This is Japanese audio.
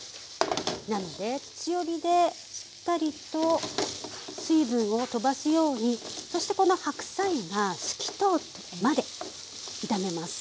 なので強火でしっかりと水分をとばすようにそしてこの白菜が透き通るまで炒めます。